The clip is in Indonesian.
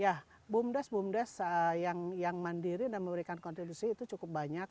ya bumdes bumdes yang mandiri dan memberikan kontribusi itu cukup banyak